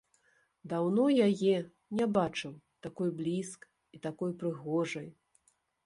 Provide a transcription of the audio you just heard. Даўно яе не бачыў такой блізкай і такой прыгожай.